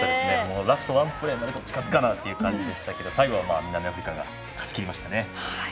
ラストワンプレーまで近づくかなっていう感じでしたけど最後は南アフリカが勝ちきりましたね。